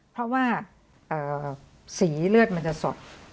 เพราะว่าสีเลือดมันจะสด